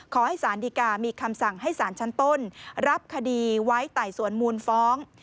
ขอให้สารดีกามีคำสั่งให้สารชั้นต้นรับคดีไว้ไต่สวนมูลฟ้อง